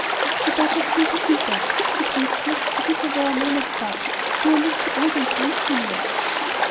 "She does not seem to feel that. She treats me as if I were a man of forty. Do I look so old and grave, Phineas?"